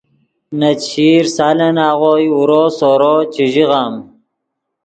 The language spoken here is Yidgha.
نے چشیر سالن آغوئے اورو سورو چے ژیغم